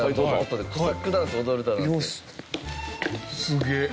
すげえ。